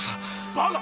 バカ。